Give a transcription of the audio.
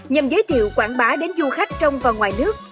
nhằm giới thiệu quảng bá đến du khách trong và ngoài nước